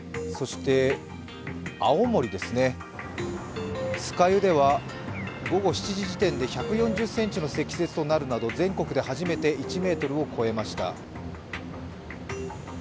青森・酸ヶ湯では午後７時時点で１４０ｃｍの積雪となるなど全国で初めて１ｍを超えました。